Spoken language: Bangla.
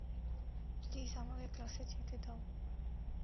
প্লিজ, আমাকে ক্লাসে যেতে দাও।